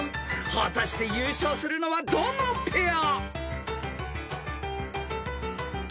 ［果たして優勝するのはどのペア？］